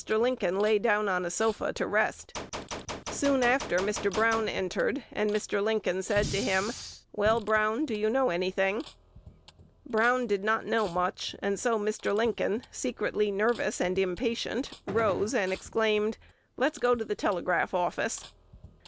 Lincoln lay down on a sofa to rest. Soon after, Mr. Brown entered; and Mr. Lincoln said to him, "Well, Brown, do you know any thing?" Brown did not know much; and so Mr. Lincoln, secretly nervous and impatient, rose and exclaimed, "Let's go to the telegraph office."